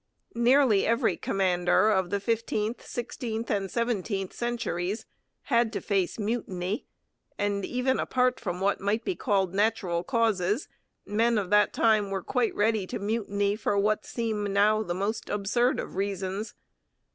Nearly every commander of the fifteenth, sixteenth, and seventeenth centuries had to face mutiny; and, even apart from what might be called natural causes, men of that time were quite ready to mutiny for what seem now the most absurd of reasons.